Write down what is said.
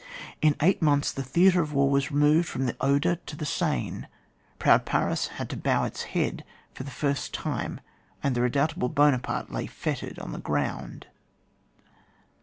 In eight months the theatre of war was removed &om the Oder to the Seine. Proud Paris had to bow its head for the first time ; and the redoubtable Buonaparte lay fettered on the ground.